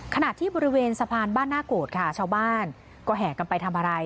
ขณะที่บริเวณสะพานบ้านหน้าโกรธค่ะชาวบ้านก็แห่กันไปทำอะไร